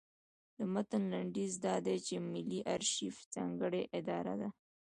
د متن لنډیز دا دی چې ملي ارشیف ځانګړې اداره ده.